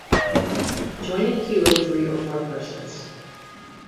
joined a queue of three or four persons.